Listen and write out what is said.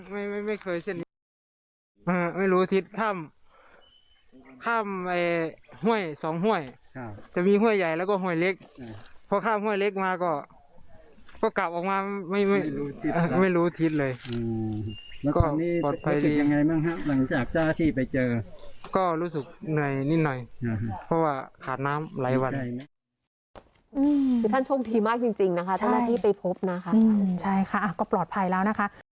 ไม่ไม่เคยไม่รู้ทิศค่ะไม่รู้ทิศค่ะไม่รู้ทิศทำค่ะไม่รู้ทิศค่ะไม่รู้ทิศค่ะไม่รู้ทิศค่ะไม่รู้ทิศค่ะไม่รู้ทิศค่ะไม่รู้ทิศค่ะไม่รู้ทิศค่ะไม่รู้ทิศค่ะไม่รู้ทิศค่ะไม่รู้ทิศค่ะไม่รู้ทิศค่ะไม่รู้ทิศค่ะไม่รู้ทิศค่ะไม่